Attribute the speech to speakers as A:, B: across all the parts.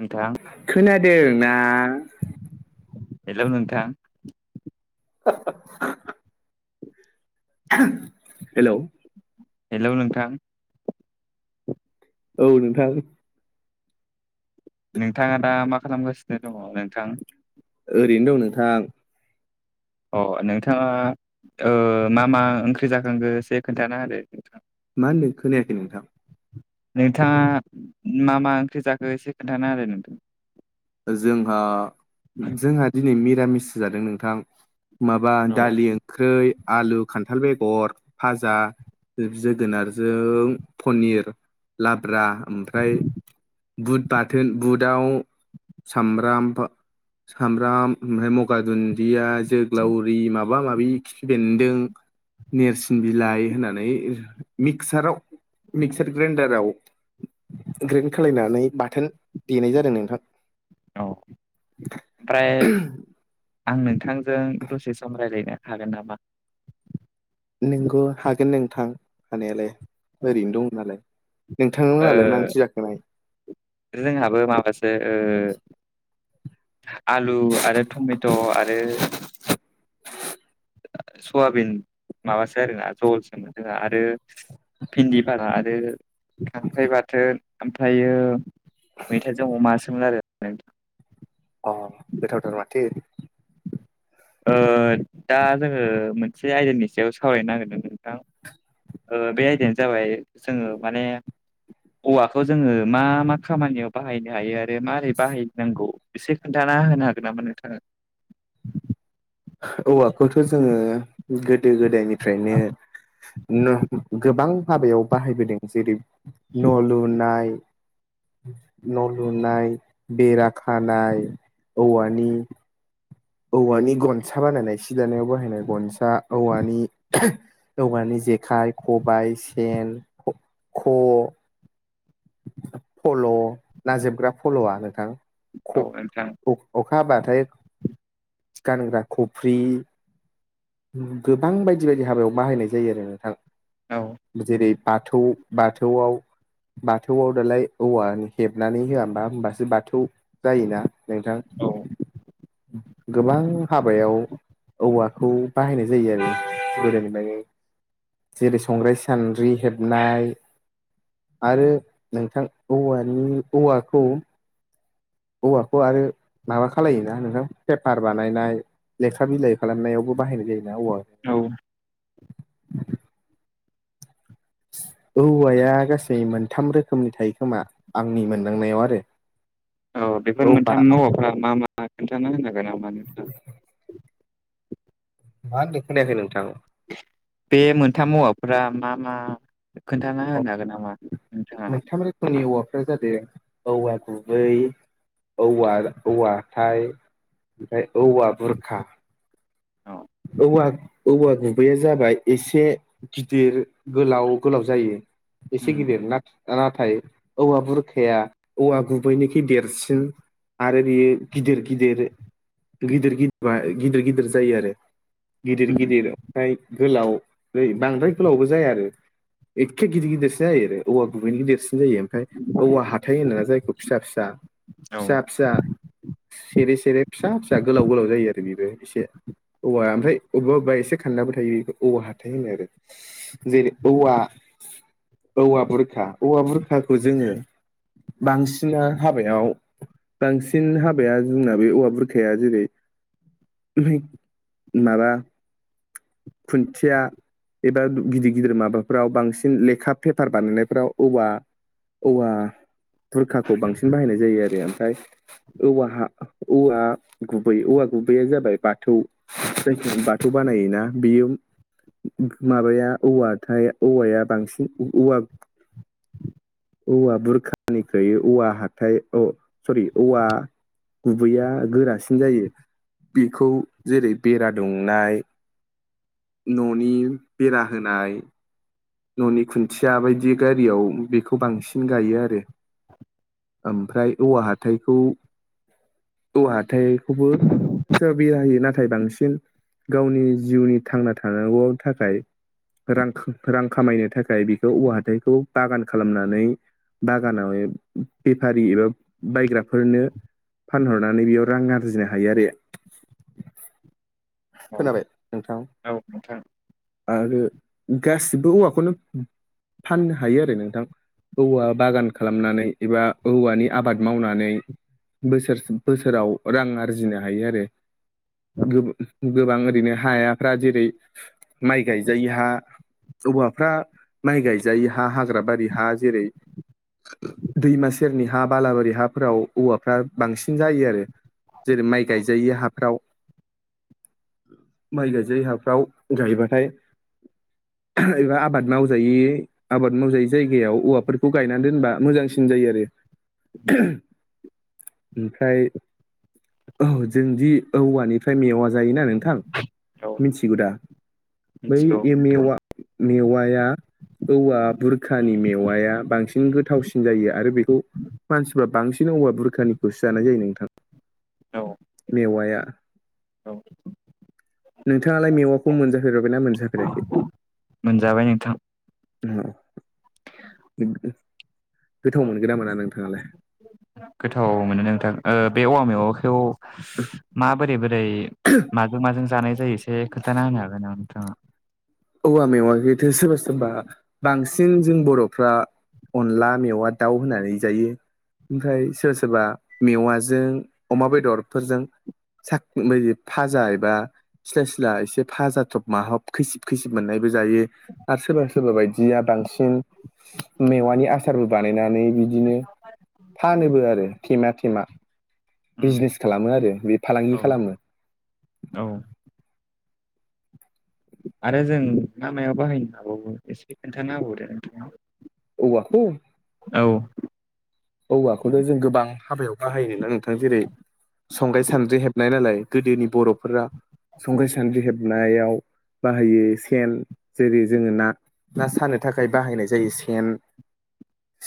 A: नोंथां
B: खोनादोंना?
A: हेलव नोंथां?
B: [unintelligible] हेलव?
A: हेलौ नोंथां!
B: औ नोंथां।
A: नोंथाङा दा मा खालामगासिनो दङ नोंथां?
B: ओरैनो दं नोंथां।
A: अ नोंथाङा मा मा ओंख्रि जाखांगो एसे खोन्थाना होदो। नोंथां
B: मा होन्दों खोनायाखै नोंथां?
A: नोंथाङा मा मा ओंख्रि जाखो एसे खोन्थाना आरो नोंथां।
B: जोंहा, जोंहा दिनै निरामिस जादों नोंथां। माबा
A: औ
B: दालि ओंख्रै, आलु, खान्थाल बेगर फाजा, जोगोनारजों पनिर लाब्रा। ओमफ्राय बुद बाथोन, बुदआव सामबाम सामब्राम ओमफ्राय मगा दुन्दिया, जोग्लावरि माबा माबा माबि खिफि बेन्दों नोरसिं बिलाइ होनानै मिक्साराव मिक्चार ग्राइन्डाराव ग्रेन्ड खालायनानै बाथोन देनाय जादों नोंथां।
A: औ ओमफ्राय आं नोंथांजों दसे सम रायलायनो हागोन नामा?
B: नोंगौ हागोन नोंथां हानायालाय, ओरैनो दं नालाय। नोंथां
A: ओ
B: मोनहालाय मा ओंख्रि जाखांनाय?
A: जोंहाबो माबासो ओ आलु आरो टमेट' आरो सयाबिन माबासो आरोना जहलसोमोन आरो भिन्दि भाजा आरो खांख्राइ बाथोन, ओमफ्रायो मैथाजों अमासोमोन आरो नोंथां।
B: अ गोथावथार माथो!
A: ओ दा जोङो मोनसे आयदानि सायाव सावरायनो नागिरदों नोंथां। ओ बे आयदायानो जाबाय जोङो माने औवाखौ जोङो मा मा खामानियाव बाहायनो हायो आरो बेे मारै बाहायनांगौ एसे खोन्थाना होनो हागोन नामा नोंथाङा?
B: औवाखौथ' जोङो गोदो गोदायनिफ्रायनो गोबां हाबायाव बाहायबोदों जेरै न' लुनाय न' लुनाय बेरा खानाय औवानि औवानि गनसा बानायनाय सि दानायाव बाहायनाय गनसा औवानि औवानि जेखाइ खबाइ सेन ख' फल' ना जोबग्रा फल'आ नोंथां
A: औ
B: ख'
A: नोंथां
B: अ-अखा हाबाथाय गानग्रा खफ्रि गोबां बायदि बायदि हाबायाव बाहायनाय जायो आरो नोंथां
A: औ
B: जेरै बाथौ बाथौआव बाथौआव दालाय औवानि हेबनानै होआ होमबा होमबासो बाथौ जायोना नोंथां
A: औ
B: गोबां हाबायाव औवाखौ बाहायनाय जायो आरो गोदोनिफ्राय जेरै संग्राय सान्द्रि हेबनाय आरो नोंथां औवानि औवाखौ औवाखौ आरो माबा खालायोना नोंथां पेपार बानायनाय लेखा बिलाइ खालामनायावबो बाहायनाय जायोना औवा
A: औ
B: औवाया गासै मोनथाम रोखोमनि थायो खोमा आंनि मोनदांनायाव आरो।
A: अ बेफोर
B: औवा
A: मोनथाम औवाफ्रा मा मा खोन्थाना होनो हागोन नामा नोंथाङा?
B: मा होनदों खोनायाखै नोंथां?
A: बे मोनथाम औवाफोरा मा मा? खोन्थाना होनो हागोन नामा नोंथाङा?
B: नि औवाफोरा जादों औवा गुबै औवा औवाहाथाय ओमफ्राय औवा बुरखा।
A: अ
B: औवा औवा गुबैया जाबाय एसे गिदिर गोलाव गोलाव जायो एसे
A: उम
B: गिदिर नाथा नाथाय औवा बुरखाया औवा गुबैनिखै देरसिन आरो बियो गिदिर गिदिर गिदिर गिदिर गिदिर गिदिर जायो आरो गिदिर
A: उम
B: गिदिर ओमफ्राय गोलाव रै बांद्राय गोलावबो जाया आरो एखे गिदिर गिदिरसो जायो आरो औवा गुबै गिदिरसो जायो ओमफ्राय औवा हाथाइ होनोना जायखौ फिसा फिसा
A: औ
B: फिसा फिसा सेरे सेरे फिसा फिसा गोलाव गोलाव जायो आरो बेबो एसे औवा ओमफ्राय अबेबा अबेबा एसे खान्दाबो थायो बेखौ औवा हाथायबो होनो आरो जेरै औवा औवा बुरखा औवा बुरखाखौ जोङो बांसिना हाबायाव बांसिन हाबाया जोंना बे औवा बुरखाया जेरै नाबा खुन्थिया एबा गिदिर गिदिर माबाफ्राव बांसिन लेखा पेपार बानायनायफ्राव औवा औवा बुरखाखौ बांसिन बाहायनाय जायो आरो ओमफ्राय औवाहा औवा गुबै औवा गुबैया जाबाय बाथौ जोंनिथि बाथौ बानायोना बियो माबाया औवाथाय औवाया बांसिन ओ-औवा औवा बुरखानिख्रुइ औवा हाथाय औ सरि औवा गुबैया गोरासिन जायो बेखौ जेरै बेरा दुंनाय न'नि बेरा होनाय न'नि खुन्थिया बायदि गारियाव बेखौ बांसिन गायो आरो ओमफ्राय औवा हाथाइखौ औ हाथायखौबो बिर होयो नाथाय बांसिन गावनि जिउनि थांना थानांगौआव थाखाय रां रां खामायनो थाखाय बेखौ औवा हाथाइखौ बागान खालामनानै बागानाव बेफारि एबा बायग्राफोरनो फानहरनानै बेयाव रां आरजिनो हायो आरो
A: [inaudible] औ
B: खोनाबाय नोंथां
A: औ नोंथां
B: आरो गासिबो औवाखौनो फाननो हायो आरो नोंथां। औवा बागान खालामनानै एबा औवानि आबाद मावनानै बोसोर बोसोराव रां आरजिनो हायो आरो।
A: औ
B: गो-गोबां ओरैनो हायाफ्रा जेरै माइ गायजायै हा। औवाफ्रा माइ गायजायि हा हाग्रा बारि हा जेरै दैमा सेरनि हा बालाबारि हाफोराव औवाफ्रा बांसिन जायो आरो। जेरै माइ
A: औ
B: गायजायि हाफ्राव। माइ गायजायै हाफ्राव गायोबाथाय एबा आबाद मावजायै आबाद मावजायै जायगायाव औवाफोरखौ गायनानै दोनबा मोजांसिन जायो आरो। ओमफ्राय औ जोंदि औवानिफ्राय मेवा जायोना नोंथां।
A: औ
B: मिथिगौ दा बै
A: मिथिगौ नोंथां
B: मेवा मेवाया औवा बुरखानि मेवाया बांसिन गोथावसिन जायो आरो बेखौ मानसिफ्रा बांसिन औवा बुरखानिखौसो जानाय जायो नोंथां।
A: औ
B: मेवाया
A: औ
B: नोंथाङालाय मेवाखौ मोनजाफेरबाय ना मोनजाफेराखै?
A: मोनजाबाय नोंथां।
B: गोथाव मोनगोन ना मोना नोंथाङालाय?
A: गोथाव मोनो नोंथां ओ बे औवा मेवायखौ मा बोरै बोरै माजों माजों जानाय जायो एसे खोन्थाना होनो हागोन नामा नोंथाङा।
B: औवा मेवायखोथो सोरबा सोरबा बांसिन जों बर'फ्रा अनला मेवा दाउ होनानै जायो। ओमफ्राय सोरबा सोरबा मेवाजों अमा बेदरफोरजों साख बायदि फाजा एबा सिला सिला एसे फाजा थब माहब खैसि खैसिब मोननायबो जायो आरो सोरबा सोरबा बायदिया बांसिन मेवानि आसारबो बानायनानै बि दिनो फानोबो आरो थेमा थेमा।
A: उम
B: बिजिनेस खालामो आरो बे फालांगि
A: औ
B: खालामो।
A: औ। आरो जों मा मायाव बाहायनो हाबावो एसे खोन्थाना होबावदो
B: औवाखौ
A: औ।
B: औवाखौथ' जों गोबां हाबायाव बाहायो ना नोंथां जेरै संग्राय सानद्रि हेब नाय नालाय गोदोनि बर'फोरा संग्राय सान्द्रि हेबनायाव बाहायो सेन जेरै जोङो ना ना सानो थाखाय बाहायनाय जायो सेन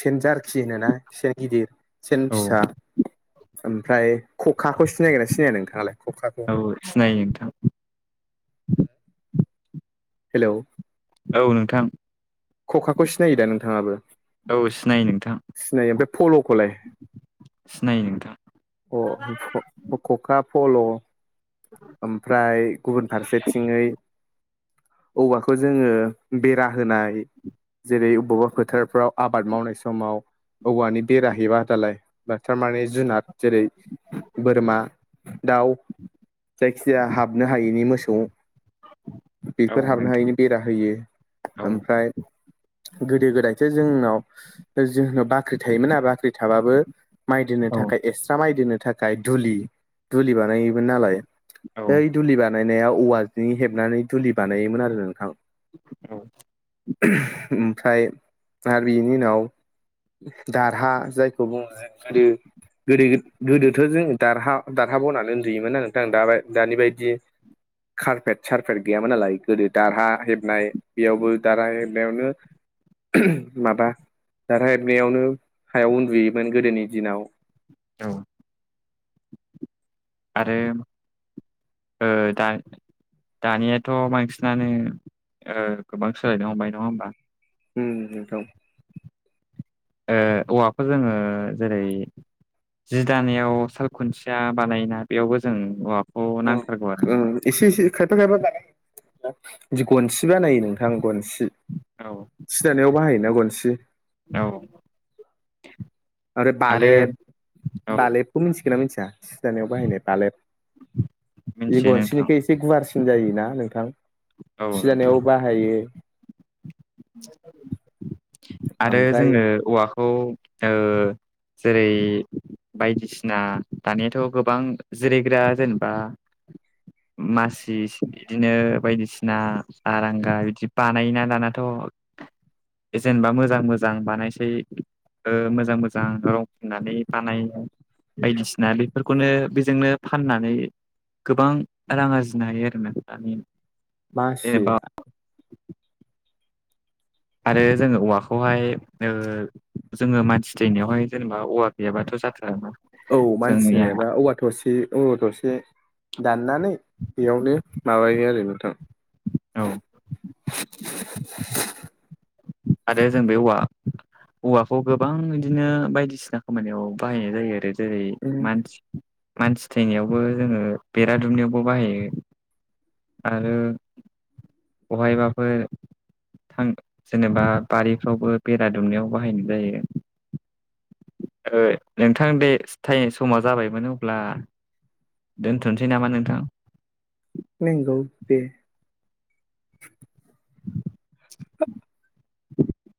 B: सेन जारखि होनोना। सेन गिदिर। सेन
A: औ
B: फिसा ओमफ्राय खखाखौ सिनायगोना सिनाया नोंथाङालाय खखाखौ
A: औ सिनायो नोंथां।
B: हेलौ।
A: औ नोंथां।
B: खखाखौ सिनायो दा नोंथाङाबो?
A: औ सिनायो नोंथां।
B: सिनायो ओमफ्राय फल'खौलाय?
A: सिनायो नोंथां
B: अ फु खका, फल', ओमफ्राय गुबुन फारसेथिङै औवाखौ जोङो बेरा होनाय जेरै अबेबा फोथारफ्राव आबाद मावनाय समाव औवानि बेरा हेबा दालाय बा थारमाने जुनाद जेरै बोरमा दाउ जायखिजाया हाबनो हायिनि मोसौ
A: औ
B: बेफोर हाबनो हायैनि बेरा होयो
A: नोंथां औ
B: ओमफ्राय गोदो गोदायथो जोंनाव जोंनाव बाख्रि थायोमोन आरो बाख्रि थाबाबो माइ दोननो
A: औ
B: थाखाय एक्सट्रा माइ दोननो थाखाय दुलि दुलि बानायोमोन नालाय
A: औ
B: बै दुलि बानायनाया औवाजों हेबनानै दुलि बानायोमोन आरो नोंथां।
A: औ
B: ओमफ्राय आर बिनि उनाव दारहा जायखौ बुङो [unintelligible] गोदो गोदोथ' जों दारहा दारहा बावनानै उन्दुयोमोन ना नोंथां दा-दानि बायदि कारफेट सारफेट गैयामोन नालाय गोदो दारहा हेबनाय बेयावबो दारा बेयावनो माबा दारहा एबनायावनो हायाव उन्दुयोमोन गोदोनि दिनाव।
A: औ आरो ओ दा दानियाथ' बांसिनानो ओ गोबां सोलायनो हमबाय नंङा होमबा?
B: हम नोथं
A: ओ औवाखौ जोंङो जेरै जि दानायाव साल खुन्थिया बानायोना बेयावबो जों औवा
B: उम ओ एसे एसे खायफा खायफा जानाय जि गनसि बानायो नोंथां गनसि
A: औ
B: सि दानायाव बाहायोना गनसि।
A: औ।
B: आरो बालेब
A: औ
B: बालेबखौ मिथिगोन ना मिथिया सि दानायाव बाहायनाय बालेब इयो
A: मिथियो नोंथां
B: गनसेनिखुइ इ बे गुवारसिन जायोना नोंथां
A: औ
B: सि दानायाव
A: नोंथां
B: बाहायो।
A: आरो
B: ओमफ्राय
A: जोङो औवाखौ ओ जेरै- बायदिसिना दानियाथ' गोबां जिरायग्रा जेनेबा मासि सि बिदिनो बायदिसिना आरांगा बिदि बानायोना दानाथ' जेनेबा मोजां मोजां बानायसै। ओ मोजां मोजां रं फिन्नानै बानायो। बायदिसिना बेफोरखौनो बेजोंनो फाननानै गोबां रां आरजिनो हायो आरोना दानि
B: मासे
A: जेनेबा आरो जोङो औवाखौहाय ओ जोङो मानसि थैनायावहाय जेनेबा औवा गैयाबाथ' जाथाराना।
B: औ मानसि
A: जोंनिया
B: थैनायबा औवा थसे औवा थर से दाननानै बेयावनो माबायो आरो नोंथां।
A: औ आरो जों बे औवा औवाखौ गोबां इदिनो बायदिसिना खामानियाव बाहायनाय जायो आरो। जेरै मानसि मानसि थैनायावबो जोङो बेरा दुमनायावबो बाहायो। आरो बहायबाफोर थां जेनेबा बारिफ्रावबो बेरा दुमनायाव बाहायनाय जायो। ओ नोंथां दे सिथाइ समा जाबायमोन अब्ला दोनथनोसै नामा नोंथां?
B: नोंगौ बे
A: [inaudible]